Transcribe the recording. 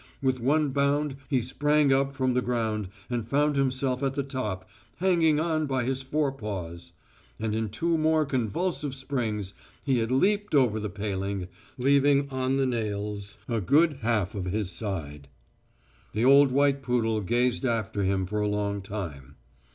With one bound he sprang up from the ground and found himself at the top, hanging on by his fore paws. And in two more convulsive springs he had leaped over the paling, leaving on the nails a good half of his side. The old white poodle gazed after him for a long time.